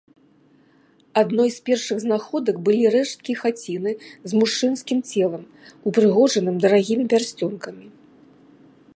Адной з першых знаходак былі рэшткі хаціны з мужчынскім целам, упрыгожаным дарагімі пярсцёнкамі.